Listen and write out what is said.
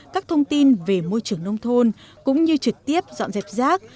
các thông tin về môi trường nông thôn cũng như trực tiếp dọn dẹp rác